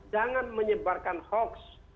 jangan menyebarkan hoax